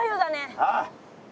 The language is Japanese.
ああ。